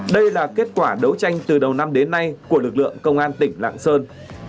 đây là kết quả đấu tranh từ đầu năm đến nay của lực lượng công an tỉnh lạng sơn